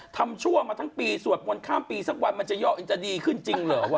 ชั่วมาทั้งปีสวดมนต์ข้ามปีสักวันมันจะเยอะจะดีขึ้นจริงเหรอวะ